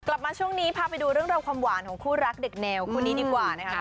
กลับมาช่วงนี้พาไปดูเรื่องราวความหวานของคู่รักเด็กแนวคู่นี้ดีกว่านะคะ